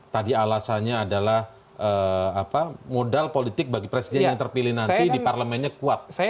tadi alasannya adalah modal politik bagi presiden yang terpilih nanti di parlemennya kuat